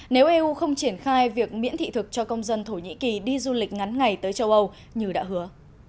nếu eu không triển khai việc miễn thị thực cho công dân thổ nhĩ kỳ đi du lịch ngắn ngày tới châu âu như đã hứa